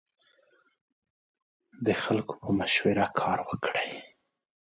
د خلکو په مشوره کار وکړئ.